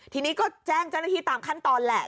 ทีนี้ก็แจ้งเจ้าหน้าที่ตามขั้นตอนแหละ